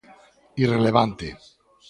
Irrelevante.